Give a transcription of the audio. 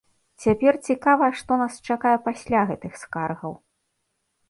Цяпер цікава, што нас чакае пасля гэтых скаргаў.